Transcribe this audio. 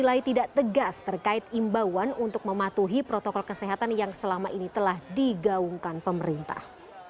dinilai tidak tegas terkait imbauan untuk mematuhi protokol kesehatan yang selama ini telah digaungkan pemerintah